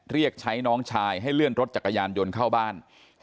เรียกใช้น้องชายให้เลื่อนรถจักรยานยนต์เข้าบ้าน